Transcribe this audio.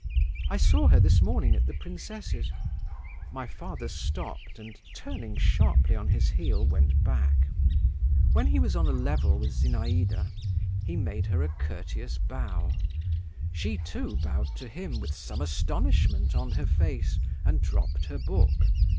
"I saw her this morning at the princess's." My father stopped, and, turning sharply on his heel, went back. When he was on a level with Zinaïda, he made her a courteous bow. She, too, bowed to him, with some astonishment on her face, and dropped her book.